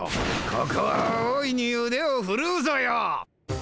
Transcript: ここは大いにうでをふるうぞよ！